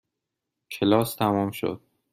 کلاس تمام شد.